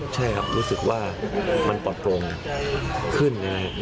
ใช่ครับรู้สึกว่ามันปลอดโปรงขึ้น